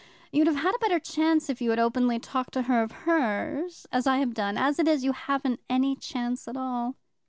You'd have had a better chance if you had openly talked to her of hers, as I have done. As it is, you haven't any chance at all."